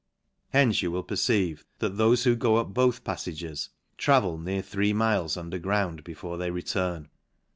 Hence you will perceive, that thofe who go up both paiTages travel near three miles under ground before they return.